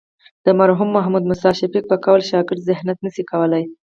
د مرحوم محمد موسی شفیق په قول شاګرد ذهنیت نه شي کولی.